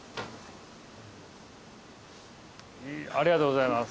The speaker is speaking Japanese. ありがとうございます。